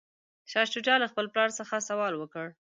شاه شجاع له خپل پلار څخه سوال وکړ.